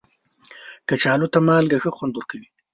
کچالو ته مالګه ښه خوند ورکوي